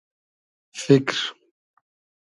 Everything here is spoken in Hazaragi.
فیکر